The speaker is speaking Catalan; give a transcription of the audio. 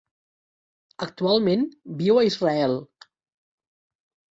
Actualment viu a Israel.